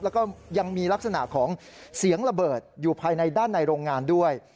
แล้วก็ยังมีลักษณะของเสียงระเบิดอยู่ภายในด้านในโรงงานด้วย